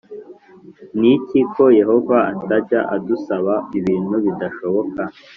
n iki ko Yehova atajya adusaba ibintu bidashoboka